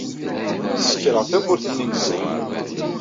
Sekkṛeɣ tawwurt-nni n zzat.